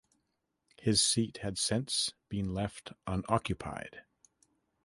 His seat had since been left unoccupied.